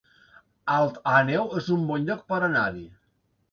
Alt Àneu es un bon lloc per anar-hi